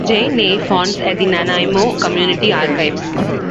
J. Ney fonds at the Nanaimo Community Archives.